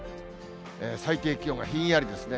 最低気温はひんやりですね。